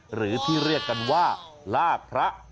หรือที่เรียกกันว่าลากพระ